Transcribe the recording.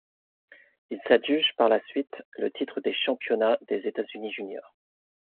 Il s'adjuge par la suite le titre des championnats des États-Unis juniors.